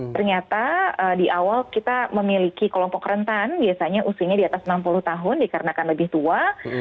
ternyata di awal kita memiliki kelompok rentan biasanya usianya di atas enam puluh tahun dikarenakan lebih tua